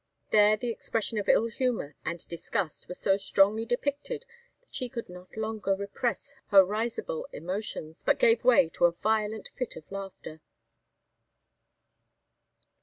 There the expression of ill humour and disgust were so strongly depicted that she could not longer repress her risible emotions, but gave way to a violent fit of laughter.